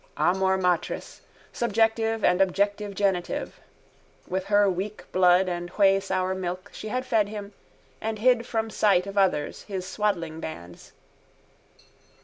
Amor matris: subjective and objective genitive. With her weak blood and wheysour milk she had fed him and hid from sight of others his swaddling bands.